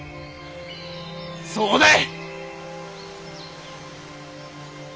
そうだい！